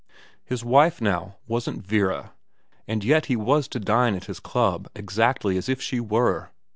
His wife now wasn't Vera, and yet he was to dine at his club exactly as if she were.